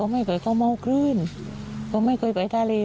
ไม่ต้องไปดูดกลางทะลี